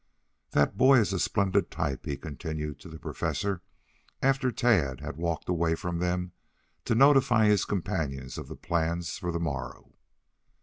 "That boy is a splendid type," he continued to the Professor, after Tad had walked away from them to notify his companions of the plans for the morrow.